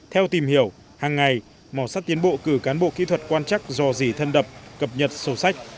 theo tìm hiểu hàng ngày mò sắt tiến bộ cử cán bộ kỹ thuật quan trắc do dì thân đập cập nhật sổ sách